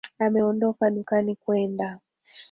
ameondoka dukani kwenda